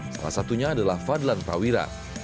salah satunya adalah fadlan prawira